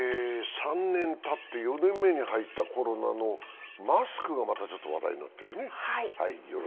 ３年たって４年目に入ったコロナのマスクがまたちょっと話題になってるね。